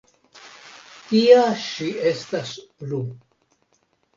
Tia ŝi estas plu.